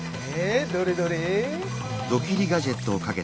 どれどれ？